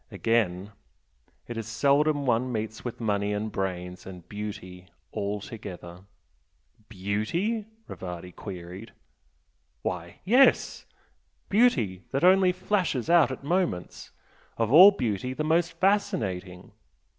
Again, it is seldom one meets with money and brains and beauty all together!" "Beauty?" Rivardi queried. "Why, yes! beauty that only flashes out at moments of all beauty the most fascinating!